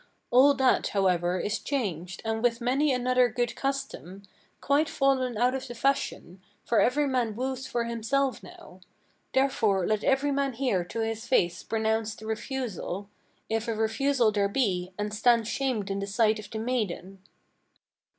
All that, however, is changed, and, with many another good custom, Quite fallen out of the fashion; for every man woos for himself now. Therefore let every man hear to his face pronounced the refusal, If a refusal there be, and stand shamed in the sight of the maiden!"